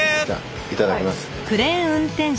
いただきます。